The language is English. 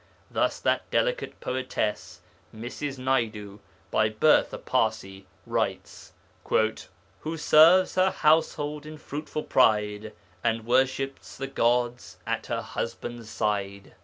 Thus that delicate poetess Mrs. Naidu (by birth a Parsi) writes: Who serves her household in fruitful pride, And worships the gods at her husband's side.